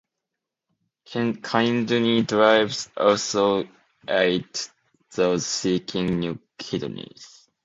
Kidney drives also aid those seeking new kidneys.